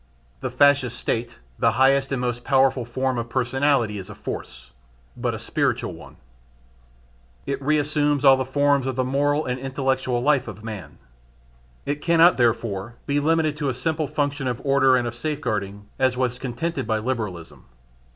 The Fascist State, the highest and the most powerful form of personality is a force, but a spiritual one. It reassumes all the forms of the moral and intellectual life of man. It cannot, therefore, be limited to a simple function of order and of safeguarding, as was contended by Liberalism.